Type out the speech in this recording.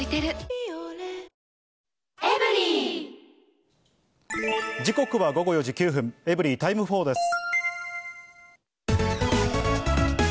「ビオレ」時刻は午後４時９分、エブリィタイム４です。